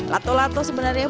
lato lato sebenarnya bu